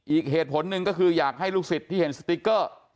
อีกเหตุผลหนึ่งก็คืออยากให้ลูกศิษย์ที่เห็นสติ๊กเกอร์